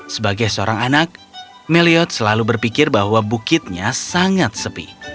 sebagai seorang anak meliot selalu berpikir bahwa bukitnya sangat sepi